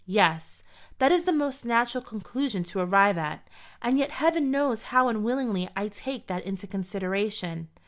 "Yes; that is the most natural conclusion to arrive at. And yet heaven knows how unwillingly I take that into consideration."